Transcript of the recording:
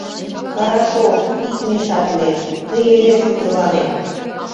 Карашов, ит мешатле, тый эре шутыланет...